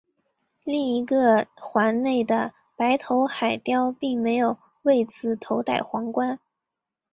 另一个环内的白头海雕并没有为此头戴皇冠。